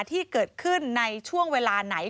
ที่เกิดขึ้นในช่วงเวลาไหน